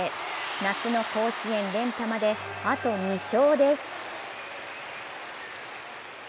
夏の甲子園連覇まであと２勝です。